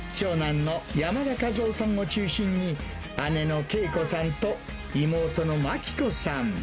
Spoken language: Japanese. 長男の山田和雄さんを中心に、姉の敬子さんと妹の眞記子さん。